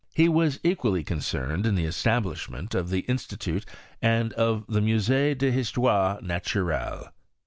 He was equally con cerned in the establishment of the Institute and of the Mus^e d'Histoire Naturelle.